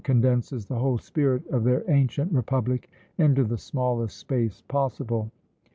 condenses the whole spirit of their ancient Republic into the smallest space possible.